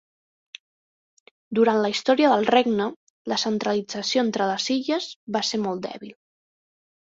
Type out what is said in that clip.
Durant la història del regne la centralització entre les illes va ser molt dèbil.